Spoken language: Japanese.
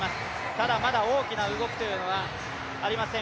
ただまだ大きな動きというのはありません。